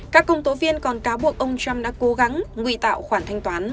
các công tố viên còn cáo buộc ông trump đã cố gắng ngụy tạo khoản thanh toán